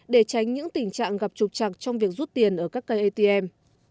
để tránh những tình trạng gặp trục chặt trong việc rút tiền ở các cây atm